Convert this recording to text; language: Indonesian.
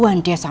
yang keras lah